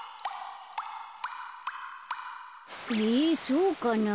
そうかな。